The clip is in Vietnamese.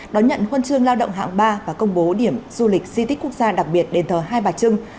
đón nhận huân chương lao động hạng ba và công bố điểm du lịch di tích quốc gia đặc biệt đền thờ hai bà trưng